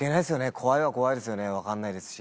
怖いは怖いですよね分かんないですし。